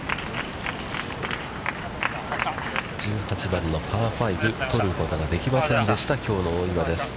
１８番のパー５、取ることができませんでした、きょうの大岩です。